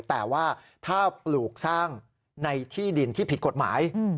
แต่ว่าถ้าปลูกสร้างในที่ดินที่ผิดกฎหมาย